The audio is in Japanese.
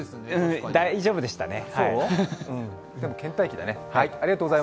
大丈夫でしたね。